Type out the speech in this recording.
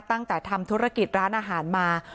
ตั้งแต่ทำธุรกิจร้านอาหารมา